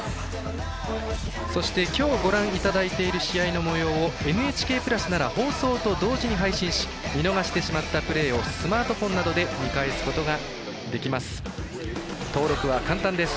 そして、今日ご覧いただいている試合のもようをＮＨＫプラスなら放送と同時に配信し見逃してしまったプレーをスマホなどで見返すことができます。